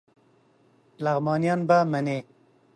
لغمانیان به منی